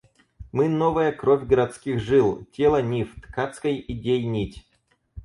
Мы новая кровь городских жил, тело нив, ткацкой идей нить.